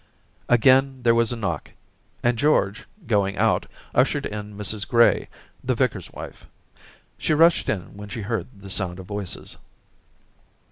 Again there was a knock, and George, going out, ushered in Mrs Gray, the vicar's wife. She rushed in when she heard the sound of voices.